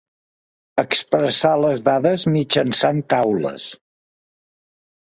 Expressar les dades mitjançant taules.